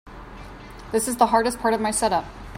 This is the hardest part of my setup.